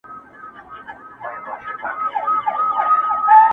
ما یي کمرونو کي لعلونه غوښتل!